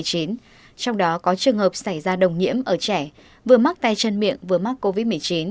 trong đó có trường hợp xảy ra đồng nhiễm ở trẻ vừa mắc tay chân miệng vừa mắc covid một mươi chín